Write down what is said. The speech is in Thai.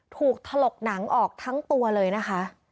ถลกหนังออกทั้งตัวเลยนะคะ